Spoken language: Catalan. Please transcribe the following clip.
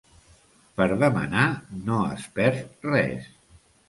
Per demanar no es perd res.